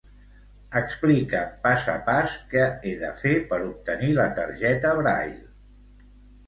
Explica'm pas a pas què he de fer per obtenir la targeta Braile.